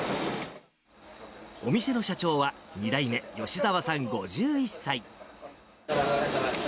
お店の社長は、２代目、吉澤さん５１歳。